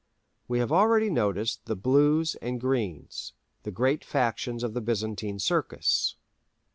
We have already noticed the "Blues" and "Greens," the great factions of the Byzantine Circus.